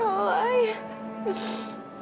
ya allah ayah